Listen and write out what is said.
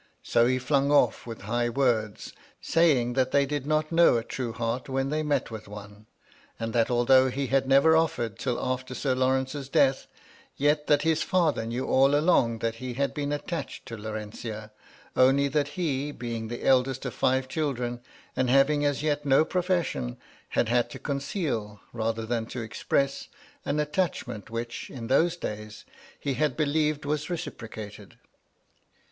So he flung off with high words, saying that they did not know a true heart when they met with one ; and that, although he had never offered till after Sir Lawrence's death, yet that his father knew all along that he had been attached to Laurentia, only that he, being the eldest of five children, and having as yet no profession, had had to conceal, rather than to express, an attachment, which, in those days, he had believed was reciprocated.